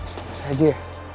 sampai lagi ya